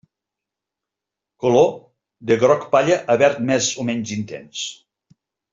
Color: de groc palla a verd més o menys intens.